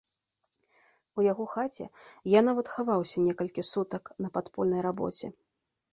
У яго хаце я нават хаваўся некалькі сутак на падпольнай рабоце.